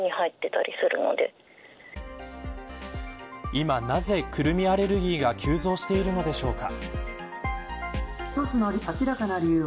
今なぜ、クルミアレルギーが急増しているのでしょうか。